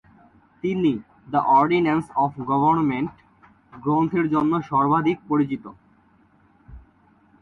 তিনি "the ordinance of government" গ্রন্থের জন্য সর্বাধিক পরিচিত।